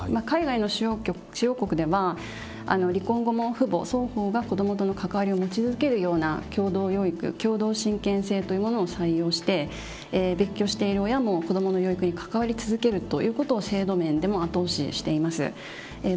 海外の主要国では離婚後も父母双方が子どもとの関わりを持ち続けるような共同養育共同親権制というものを採用して別居している親も子どもの養育に関わり続けるということを制度面でも後押ししています。